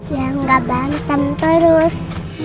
ya nggak bantam terus